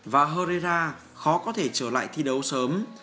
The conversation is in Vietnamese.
và herrera khó có thể trở lại thi đấu sớm